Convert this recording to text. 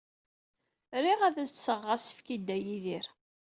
Riɣ ad as-d-sɣeɣ asefk i Dda Yidir.